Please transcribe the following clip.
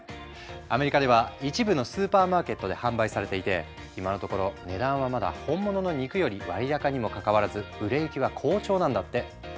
アメリカでは一部のスーパーマーケットで販売されていて今のところ値段はまだ本物の肉より割高にもかかわらず売れ行きは好調なんだって。